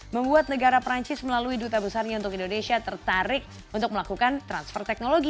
membuat negara perancis melalui duta besarnya untuk indonesia tertarik untuk melakukan transfer teknologi